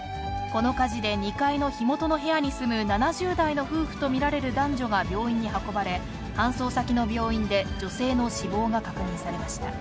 この火事で２階の火元の部屋に住む７０代の夫婦と見られる男女が病院に運ばれ、搬送先の病院で女性の死亡が確認されました。